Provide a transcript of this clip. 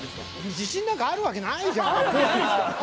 自信なんかあるわけないじゃん。